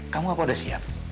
kamu apa udah siap